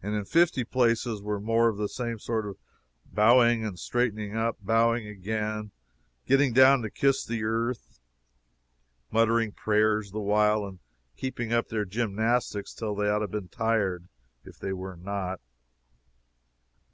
And in fifty places were more of the same sort bowing and straightening up, bowing again and getting down to kiss the earth, muttering prayers the while, and keeping up their gymnastics till they ought to have been tired, if they were not.